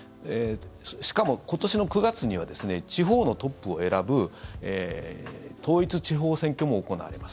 しかも、今年の９月にはですね地方のトップを選ぶ統一地方選挙も行われます。